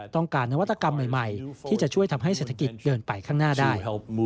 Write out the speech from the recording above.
การนวัตกรรมใหม่ที่จะช่วยทำให้เศรษฐกิจเดินไปข้างหน้าได้